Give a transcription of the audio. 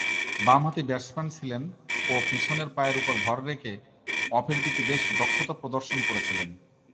বামহাতি ব্যাটসম্যান ছিলেন ও পিছনের পায়ের উপর ভর রেখে অফের দিকে বেশ দক্ষতা প্রদর্শন করেছিলেন।